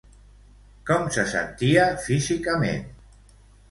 Com se sentia, físicament?